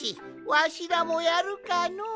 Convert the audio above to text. わしらもやるかの。